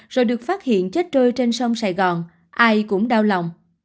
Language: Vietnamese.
rồi được phát hiện chết trôi trên sông sài gòn ai cũng đau lòng